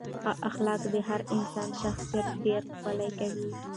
ښه اخلاق د هر انسان شخصیت ډېر ښکلی کوي.